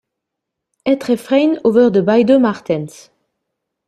Het refrein over de beide Maartens.